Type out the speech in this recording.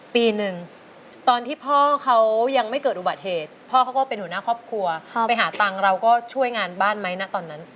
ปีหนึ่งตอนที่พ่อเขายังไม่เกิดอุบัติเหตุพ่อเขาก็เป็นหัวหน้าครอบครัวไปหาตังค์เราก็ช่วยงานบ้านไหมนะตอนนั้น